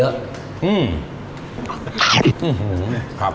อื้ม